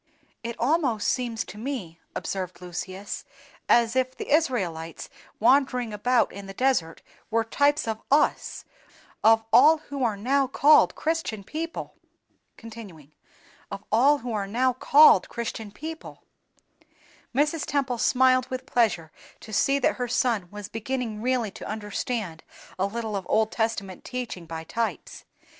"It almost seems to me," observed Lucius, "as if the Israelites wandering about in the desert were types of us—of all who are now called Christian people." Mrs. Temple smiled with pleasure to see that her son was beginning really to understand a little of Old Testament teaching by types.